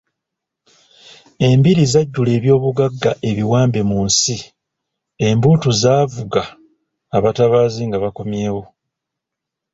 "Embiri zajjula eby'obugagga ebiwambe mu nsi, embuutu zaavuga abatabaazi nga bakomyewo."